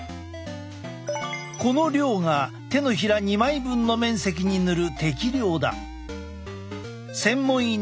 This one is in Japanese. この量が手のひら２枚分の面積に塗る適量だ。